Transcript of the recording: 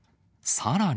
さらに。